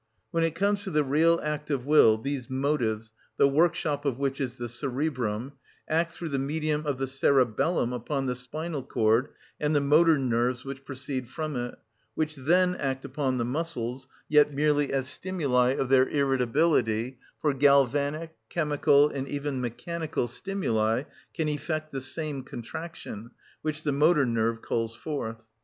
When it comes to the real act of will these motives, the workshop of which is the cerebrum, act through the medium of the cerebellum upon the spinal cord and the motor nerves which proceed from it, which then act upon the muscles, yet merely as stimuli of their irritability; for galvanic, chemical, and even mechanical stimuli can effect the same contraction which the motor nerve calls forth.